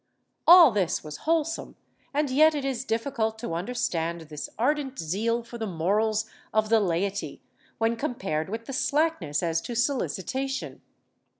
^ All this was wholesome, and yet it is difficult to understand this ardent zeal for the morals of the laity, when compared with the slackness as to solicitation.